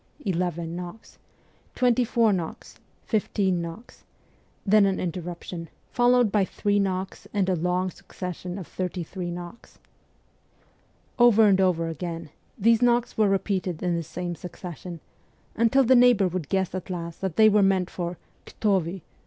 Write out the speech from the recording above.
eleven knocks ; twenty four knocks, fifteen knocks ; then an inter ruption, followed by three knocks and a long suc cession of thirty three knocks. Over and over again these knocks were repeated in the same succession, until the neighbour would guess at last that they were meant for ' Kto vy